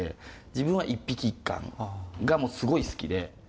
自分は「一匹一貫」がもうすごい好きで。